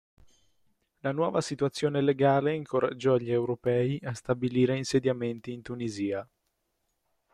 La nuova situazione legale incoraggiò gli europei a stabilire insediamenti in Tunisia.